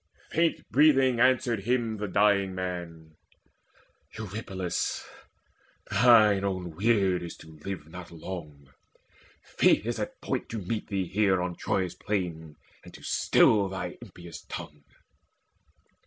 Faint breathing answered him the dying man: "Eurypylus, thine own weird is to live Not long: Fate is at point to meet thee here On Troy's plain, and to still thine impious tongue."